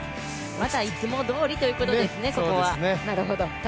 まだいつもどおりということですね、ここは。